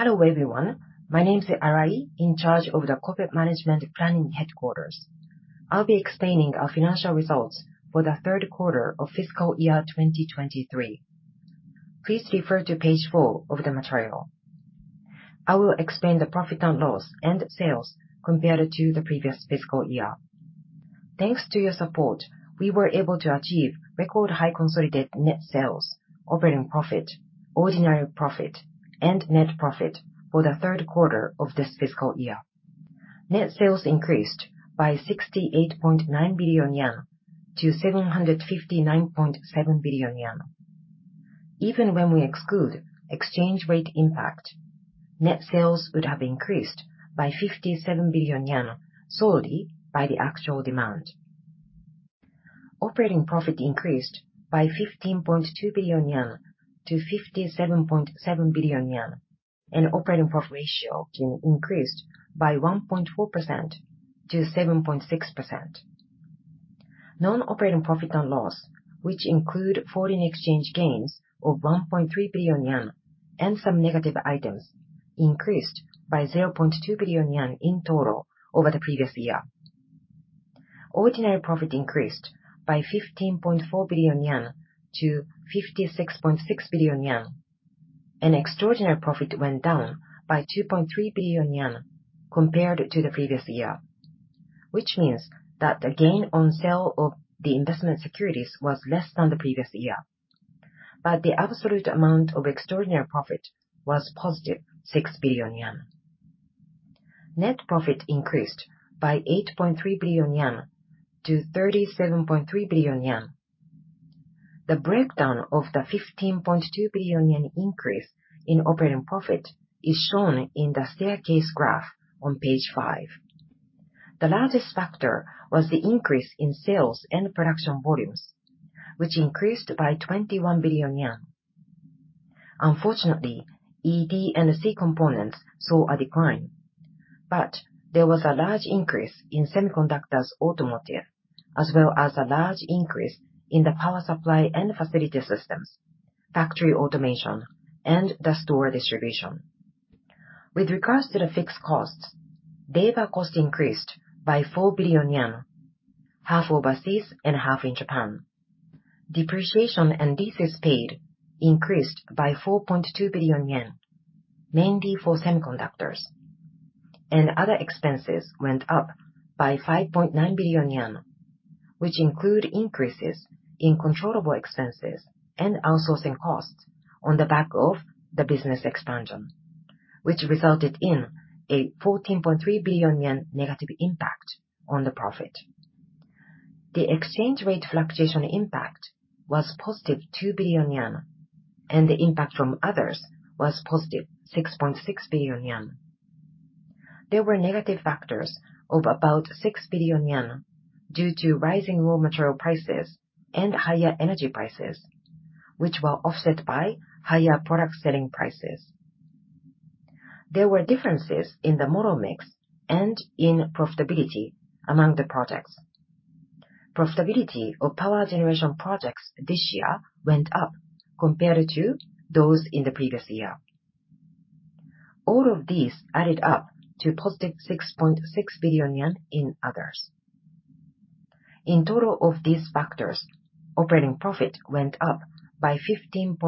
Hello, everyone. My name is Arai, in charge of the Corporate Management Planning Headquarters. I'll be explaining our financial results for the Q3 of fiscal year 2023. Please refer to page four of the material. I will explain the profit and loss and sales compared to the previous fiscal year. Thanks to your support, we were able to achieve record high consolidated net sales, operating profit, ordinary profit, and net profit for the Q3 of this fiscal year. Net sales increased by 68.9 billion yen to 759.7 billion yen. Even when we exclude exchange rate impact, net sales would have increased by 57 billion yen solely by the actual demand. Operating profit increased by 15.2 billion yen to 57.7 billion yen and operating profit ratio increased by 1.4% to 7.6%. Non-operating profit and loss, which include foreign exchange gains of 1.3 billion yen and some negative items increased by 0.2 billion yen in total over the previous year. Ordinary profit increased by 15.4 billion yen to 56.6 billion yen. An extraordinary profit went down by 2.3 billion yen compared to the previous year, which means that the gain on sale of the investment securities was less than the previous year, but the absolute amount of extraordinary profit was +6 billion yen. Net profit increased by 8.3 billion yen to 37.3 billion yen. The breakdown of the 15.2 billion yen increase in operating profit is shown in the staircase graph on page five. The largest factor was the increase in sales and production volumes, which increased by 21 billion yen. Unfortunately, ED&C components saw a decline, but there was a large increase in semiconductors automotive, as well as a large increase in the power supply and facility systems, factory automation, and the store distribution. With regards to the fixed costs, data cost increased by 4 billion yen, half overseas and half in Japan. Depreciation and leases paid increased by 4.2 billion yen, mainly for semiconductors, and other expenses went up by 5.9 billion yen, which include increases in controllable expenses and outsourcing costs on the back of the business expansion, which resulted in a 14.3 billion yen negative impact on the profit. The exchange rate fluctuation impact was +2 billion yen, and the impact from others was +6.6 billion yen. There were negative factors of about 6 billion yen due to rising raw material prices and higher energy prices, which were offset by higher product selling prices. There were differences in the model mix and in profitability among the products. Profitability of power generation projects this year went up compared to those in the previous year. All of these added up to +6.6 billion yen in others. In total of these factors, operating profit went up by 15.2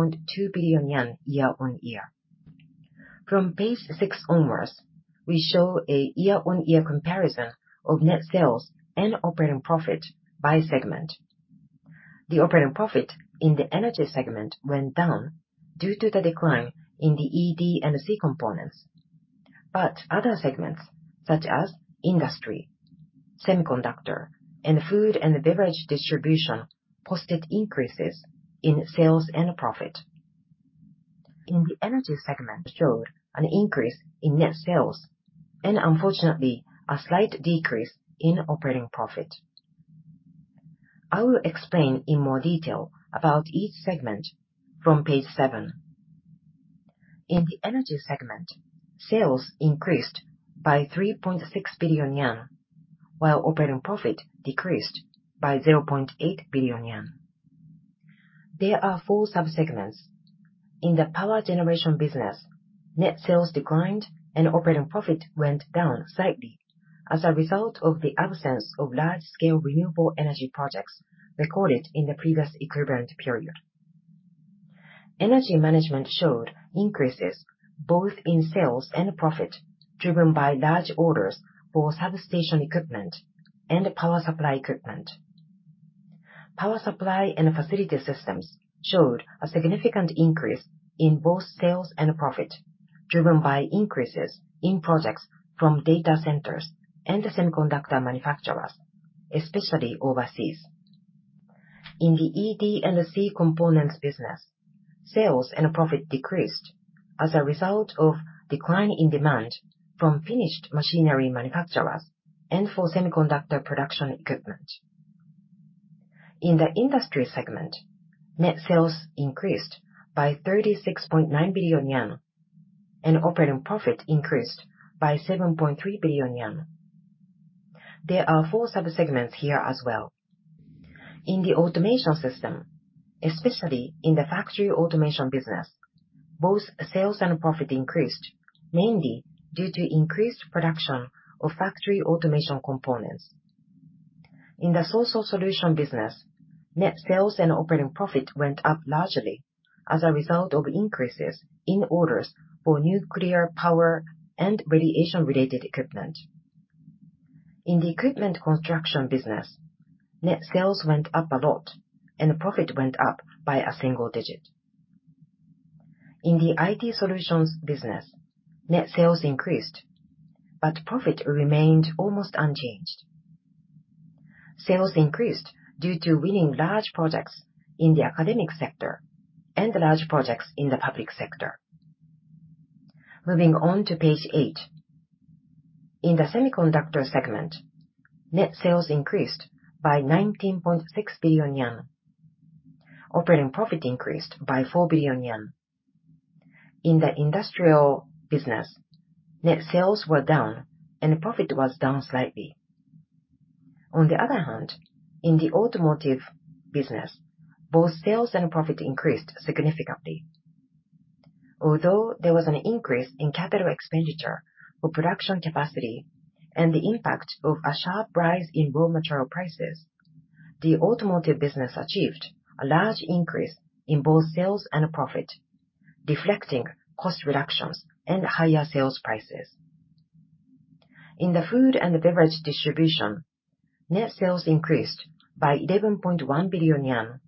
billion yen year-on-year. From page 6 onwards, we show a year-on-year comparison of net sales and operating profit by segment. The operating profit in the energy segment went down due to the decline in the ED&C components, but other segments such as industry, semiconductor, and food and beverage distribution, posted increases in sales and profit. In the Energy segment, showed an increase in net sales and unfortunately, a slight decrease in operating profit. I will explain in more detail about each segment from page 7. In the Energy segment, sales increased by 3.6 billion yen, while operating profit decreased by 0.8 billion yen. There are four sub-segments. In the power generation business, net sales declined and operating profit went down slightly as a result of the absence of large-scale Renewable Energy projects recorded in the previous equivalent period. Energy Management showed increases both in sales and profit, driven by large orders for Substation Equipment and Power Supply Equipment. Power Supply and Facility Systems showed a significant increase in both sales and profit, driven by increases in projects from data centers and the semiconductor manufacturers, especially overseas. In the ED&C components business, sales and profit decreased as a result of decline in demand from finished machinery manufacturers and for semiconductor production equipment. In the industry segment, net sales increased by 36.9 billion yen, and operating profit increased by 7.3 billion yen.... There are four subsegments here as well. In the automation system, especially in the factory automation business, both sales and profit increased, mainly due to increased production of factory automation components. In the social solution business, net sales and operating profit went up largely as a result of increases in orders for nuclear power and radiation-related equipment. In the equipment construction business, net sales went up a lot, and profit went up by a single digit. In the IT solutions business, net sales increased, but profit remained almost unchanged. Sales increased due to winning large projects in the academic sector and large projects in the public sector. Moving on to page 8. In the Semiconductors segment, net sales increased by 19.6 billion yen. Operating profit increased by 4 billion yen. In the industrial business, net sales were down and profit was down slightly. On the other hand, in the automotive business, both sales and profit increased significantly. Although there was an increase in capital expenditure for production capacity and the impact of a sharp rise in raw material prices, the automotive business achieved a large increase in both sales and profit, reflecting cost reductions and higher sales prices. In the Food and Beverage Distribution, net sales increased by 11.1 billion yen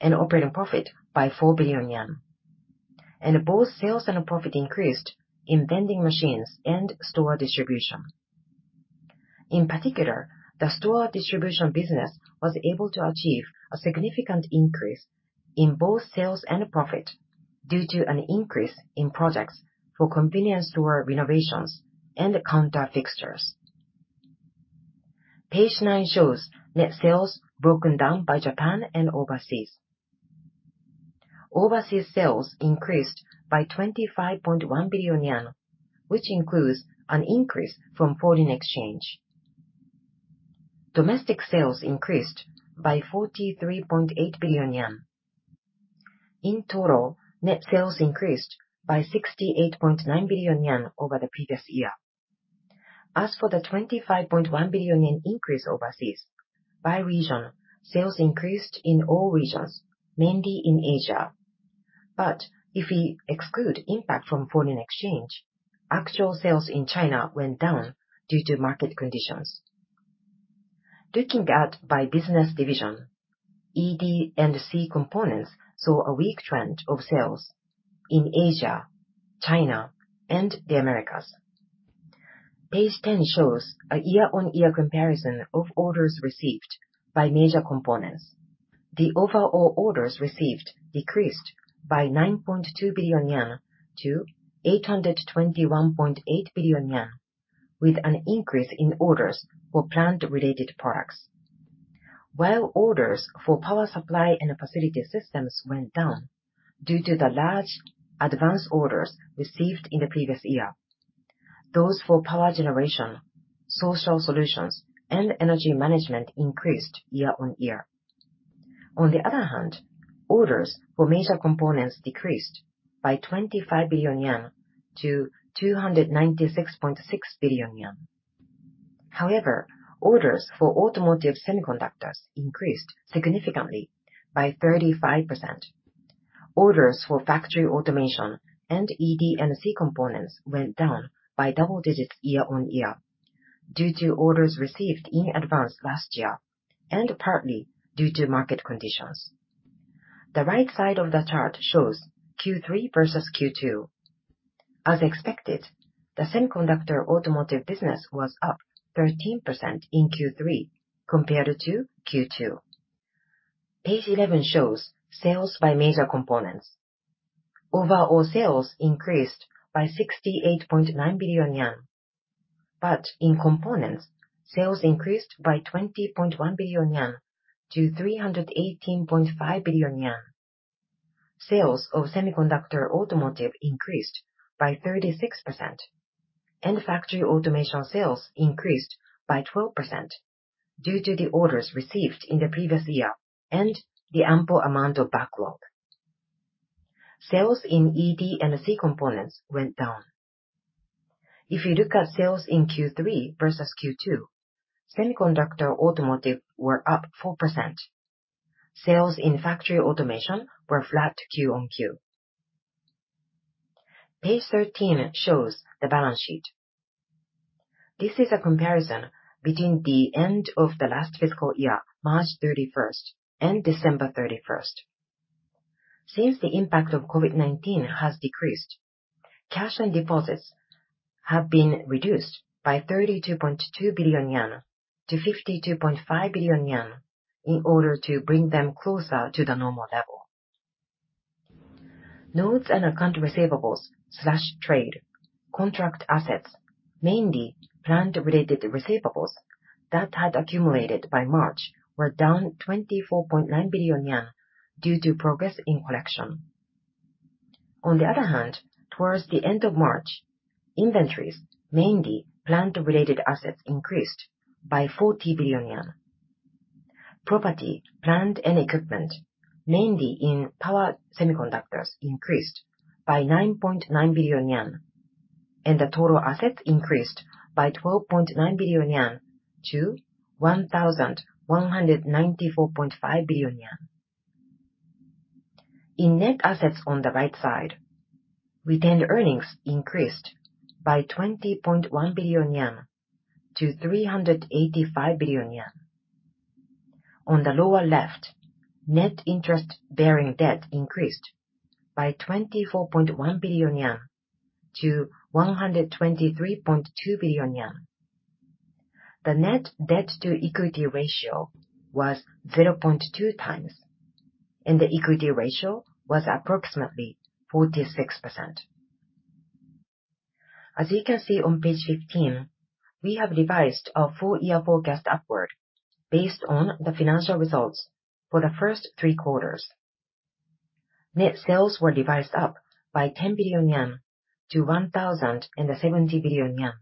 and operating profit by 4 billion yen, and both sales and profit increased in vending machines and store distribution. In particular, the store distribution business was able to achieve a significant increase in both sales and profit due to an increase in projects for convenience store renovations and counter fixtures. Page 9 shows net sales broken down by Japan and overseas. Overseas sales increased by 25.1 billion yen, which includes an increase from foreign exchange. Domestic sales increased by 43.8 billion yen. In total, net sales increased by 68.9 billion yen over the previous year. As for the 25.1 billion yen increase overseas, by region, sales increased in all regions, mainly in Asia. If we exclude impact from foreign exchange, actual sales in China went down due to market conditions. Looking at by business division, ED&C Components saw a weak trend of sales in Asia, China, and the Americas. Page 10 shows a year-on-year comparison of orders received by major components. The overall orders received decreased by 9.2 billion yen to 821.8 billion yen, with an increase in orders for plant-related products. While orders for power supply and facility systems went down due to the large advance orders received in the previous year, those for power generation, social solutions, and energy management increased year-on-year. On the other hand, orders for major components decreased by 25 billion yen to 296.6 billion yen. However, orders for automotive semiconductors increased significantly by 35%. Orders for factory automation and ED&C components went down by double digits year-on-year, due to orders received in advance last year, and partly due to market conditions. The right side of the chart shows Q3 versus Q2. As expected, the semiconductor automotive business was up 13% in Q3 compared to Q2. Page 11 shows sales by major components. Overall sales increased by 68.9 billion yen, but in components, sales increased by 20.1 billion yen to 318.5 billion yen. Sales of semiconductor automotive increased by 36%, and factory automation sales increased by 12% due to the orders received in the previous year and the ample amount of backlog. Sales in ED&C components went down. If you look at sales in Q3 versus Q2, semiconductor automotive were up 4%. Sales in factory automation were flat Q on Q. Page 13 shows the balance sheet. This is a comparison between the end of the last fiscal year, March 31, and December 31. Since the impact of COVID-19 has decreased, cash and deposits have been reduced by 32.2 billion yen to 52.5 billion yen in order to bring them closer to the normal level. Notes and accounts receivable/trade, contract assets, mainly plant-related receivables that had accumulated by March, were down 24.9 billion yen due to progress in collection. On the other hand, towards the end of March, inventories, mainly plant-related assets, increased by 40 billion yen. Property, plant, and equipment, mainly in power semiconductors, increased by 9.9 billion yen, and the total assets increased by 12.9 billion yen to 1,194.5 billion. In net assets on the right side, retained earnings increased by 20.1 billion yen to 385 billion yen. On the lower left, net interest-bearing debt increased by 24.1 billion yen to 123.2 billion yen. The net debt to equity ratio was 0.2x, and the equity ratio was approximately 46%. As you can see on page 15, we have revised our full year forecast upward based on the financial results for the first three quarters. Net sales were revised up by 10 billion yen to 1,070 billion yen.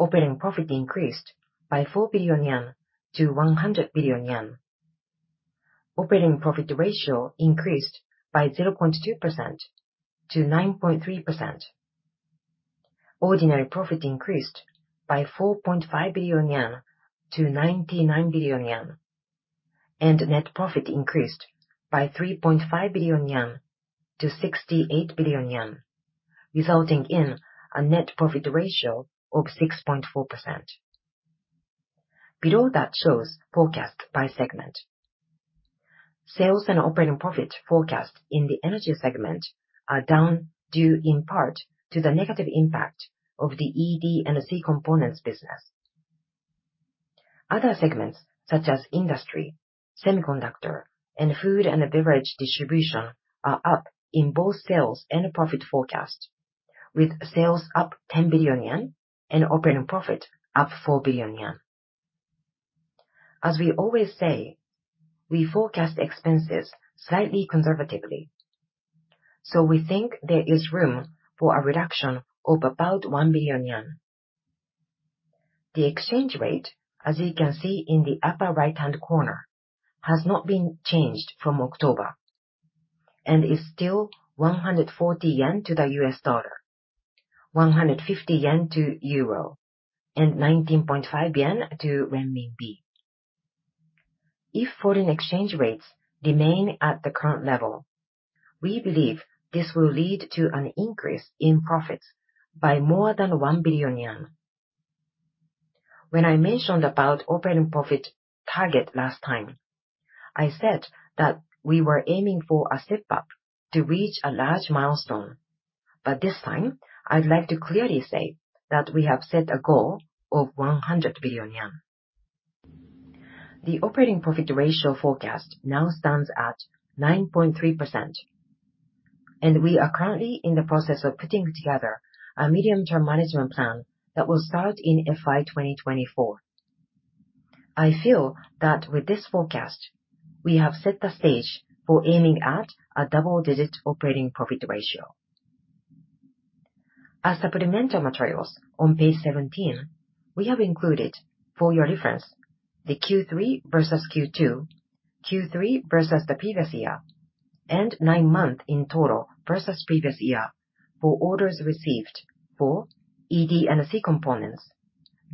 Operating profit increased by 4 billion yen to 100 billion yen. Operating profit ratio increased by 0.2% to 9.3%. Ordinary profit increased by 4.5 billion yen to 99 billion yen, and net profit increased by 3.5 billion yen to 68 billion yen, resulting in a net profit ratio of 6.4%. Below, that shows forecast by segment. Sales and operating profit forecast in the Energy segment are down, due in part to the negative impact of the ED&C components business. Other segments, such as Industry, Semiconductors, and Food and Beverage Distribution, are up in both sales and profit forecast, with sales up 10 billion yen and operating profit up 4 billion yen. As we always say, we forecast expenses slightly conservatively, so we think there is room for a reduction of about 1 billion yen. The exchange rate, as you can see in the upper right-hand corner, has not been changed from October and is still 140 yen to the US dollar, 150 yen to euro, and 19.5 yen to renminbi. If foreign exchange rates remain at the current level, we believe this will lead to an increase in profits by more than 1 billion yen. When I mentioned about operating profit target last time, I said that we were aiming for a step up to reach a large milestone, but this time, I'd like to clearly say that we have set a goal of 100 billion yen. The operating profit ratio forecast now stands at 9.3%, and we are currently in the process of putting together a medium-term management plan that will start in FY 2024. I feel that with this forecast, we have set the stage for aiming at a double-digit operating profit ratio. As supplemental materials on page 17, we have included, for your reference, the Q3 versus Q2, Q3 versus the previous year, and 9 months in total versus previous year for orders received for ED&C components,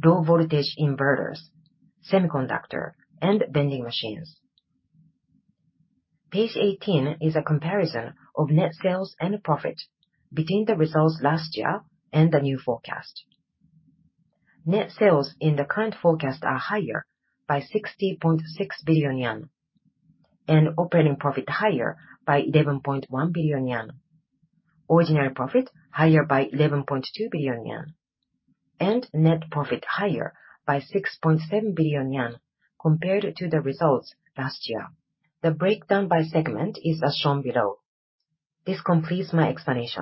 low-voltage inverters, semiconductor, and vending machines. Page 18 is a comparison of net sales and profit between the results last year and the new forecast. Net sales in the current forecast are higher by 60.6 billion yen, and operating profit higher by 11.1 billion yen, ordinary profit higher by 11.2 billion yen, and net profit higher by 6.7 billion yen compared to the results last year. The breakdown by segment is as shown below. This completes my explanation.